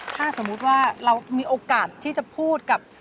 ถ้าสมมุติว่าเรามีโอกาสที่จะพูดกับ